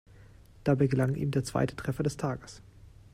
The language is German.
Dabei gelang ihm der zweite Treffer des Tages.